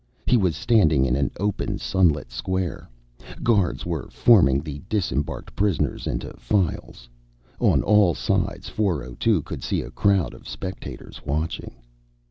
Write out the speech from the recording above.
He was standing in an open, sunlit square. Guards were forming the disembarked prisoners into files; on all sides, 402 could see a crowd of spectators watching.